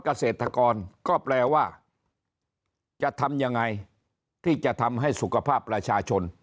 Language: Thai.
เกษตรกรก็แปลว่าจะทำยังไงที่จะทำให้สุขภาพประชาชน